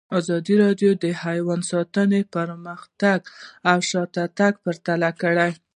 ازادي راډیو د حیوان ساتنه پرمختګ او شاتګ پرتله کړی.